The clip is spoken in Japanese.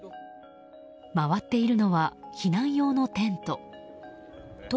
回っているのは、避難用のテント。